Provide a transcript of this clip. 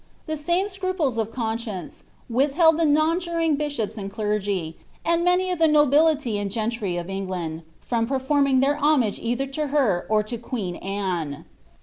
The same scruples of conscience withhdd the nonjuring bishops and clergy, and many of the nobility and gentry, of England, from performing their homage either to her or to queen Anne.